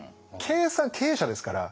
計算経営者ですから。